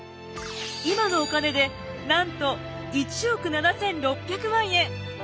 今のお金でなんと１億７，６００万円！